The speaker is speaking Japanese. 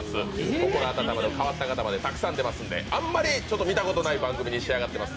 心温まる変わった方までたくさん出ますのであんまり見たことない番組に仕上がってます。